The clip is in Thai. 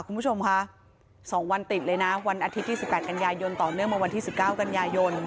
คุณผู้ชมค่ะสองวันติดเลยนะวันอาทิตย์สิบแปดกันยายนต่อเนื่องมาวันที่สิบเก้ากันยายน